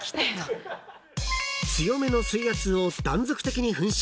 ［強めの水圧を断続的に噴射］